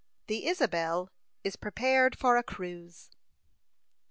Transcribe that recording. THE ISABEL IS PREPARED FOR A CRUISE.